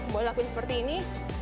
boleh lakuin seperti ini